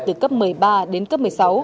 từ cấp một mươi ba đến cấp một mươi sáu